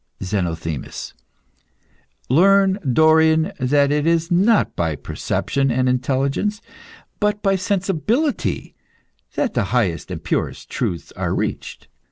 ZENOTHEMIS. Learn, Dorion, that it is not by perception and intelligence, but by sensibility, that the highest and purest truths are reached.